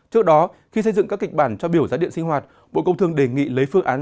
trước đó khi xây dựng các kịch bản cho biểu giá điện sinh hoạt bộ công thương đề nghị lấy phương án